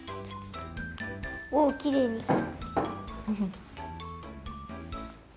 おきれいに。